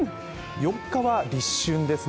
４日は立春ですね。